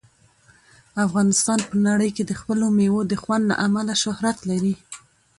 افغانستان په نړۍ کې د خپلو مېوو د خوند له امله شهرت لري.